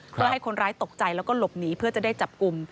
เพื่อให้คนร้ายตกใจแล้วก็หลบหนีเพื่อจะได้จับกลุ่ม